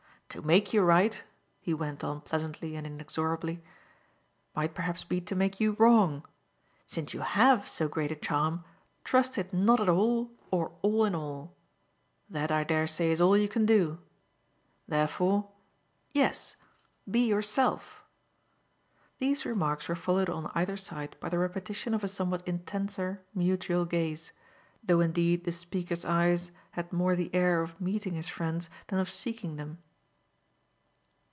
To make you right," he went on pleasantly and inexorably, "might perhaps be to make you wrong. Since you HAVE so great a charm trust it not at all or all in all. That, I dare say, is all you can do. Therefore yes be yourself." These remarks were followed on either side by the repetition of a somewhat intenser mutual gaze, though indeed the speaker's eyes had more the air of meeting his friend's than of seeking them.